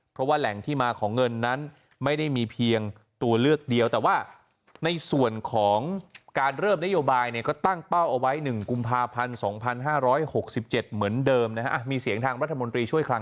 เพราะว่าแหล่งที่มาของเงินนั้นไม่ได้มีเพียงตัวเลือกเดียวแต่ว่าในส่วนของการเริ่มนโยบายเนี่ยก็ตั้งเป้าเอาไว้๑กุมภาพันธ์๒๕๖๗เหมือนเดิมนะฮะมีเสียงทางรัฐมนตรีช่วยคลัง